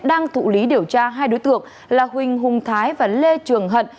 đang thụ lý điều tra hai đối tượng là huỳnh hùng thái và lê trường hận